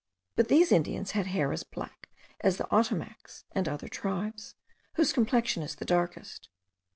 But these Indians had hair as black as the Otomacs and other tribes, whose complexion is the darkest.